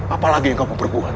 apa lagi yang kau mau berbuat